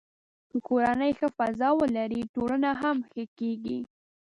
که کورنۍ ښه فضا ولري، ټولنه هم ښه کېږي.